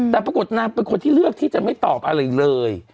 แต่ปรากฏนางเป็นคนที่เลือกที่จะไม่ตอบอะไรเลย